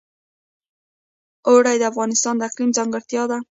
اوړي د افغانستان د اقلیم ځانګړتیا ده.